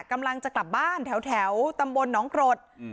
กำลังจะกลับบ้านแถวแถวตำบนน้องกรดอืม